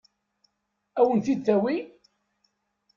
Ad wen-ten-id-tawi?